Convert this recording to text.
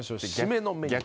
締めのメニュー。